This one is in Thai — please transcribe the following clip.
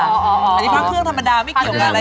อันนี้พระเครื่องธรรมดาไม่เกี่ยวกันเลย